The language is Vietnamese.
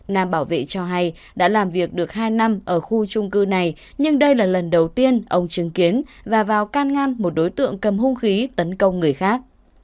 nam bảo vệ cho hay đã làm việc được hai năm ở khu trung cư này nhưng đây là lần đầu tiên ông chứng kiến và vào can ngăn một đối tượng cầm hung khí tấn công người khác